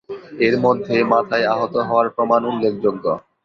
এর মধ্যে মাথায় আহত হওয়ার প্রমাণ উল্লেখযোগ্য।